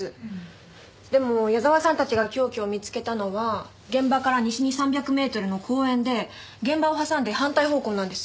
でも矢沢さんたちが凶器を見つけたのは現場から西に３００メートルの公園で現場を挟んで反対方向なんです。